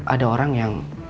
ada orang yang